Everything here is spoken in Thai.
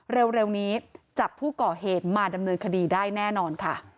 เร็วนี้จับผู้ก่อเหตุมาดำเนินคดีได้แน่นอนค่ะ